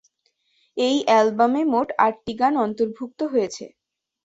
এই অ্যালবামে মোট আটটি গান অন্তর্ভুক্ত হয়েছে।